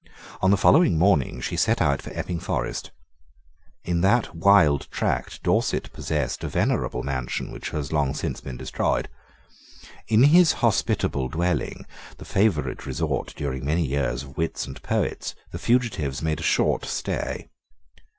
On the following morning she set out for Epping Forest. In that wild tract Dorset possessed a venerable mansion, which has long since been destroyed. In his hospitable dwelling, the favourite resort, during, many years, of wits and poets, the fugitives made a short stay.